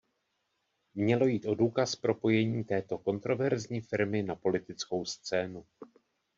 Mělo jít o důkaz propojení této kontroverzní firmy na politickou scénu.